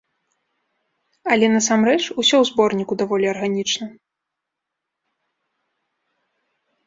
Але насамрэч усё ў зборніку даволі арганічна.